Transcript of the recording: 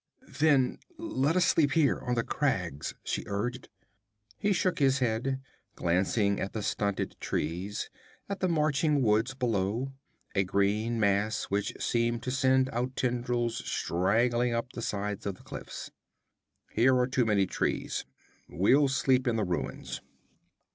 'Then let us sleep here, on the crags,' she urged. He shook his head, glancing at the stunted trees, at the marching woods below, a green mass which seemed to send out tendrils straggling up the sides of the cliffs. 'Here are too many trees. We'll sleep in the ruins.'